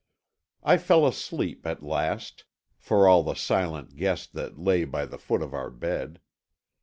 I fell asleep at last, for all the silent guest that lay by the foot of our bed.